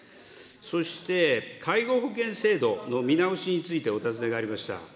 そして介護保険制度の見直しについてお尋ねがありました。